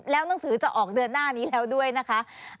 แล้วหนังสือจะออกเดือนหน้านี้แล้วด้วยนะคะ